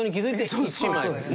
そうです。